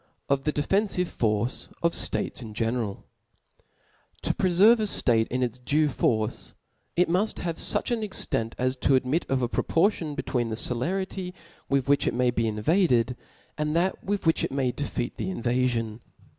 Of the defenfive Force of States in genera!* HP O preferve a ftate in its due force, it muft •■ have fuch an extent, as to admit of a pro portion between the celerity with which it may be invaded, and that with which it may defeat the invafion.